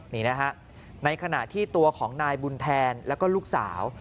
นี่นะฮะในขณะที่ตัวของนายบุญแทนแล้วก็ลูกสาว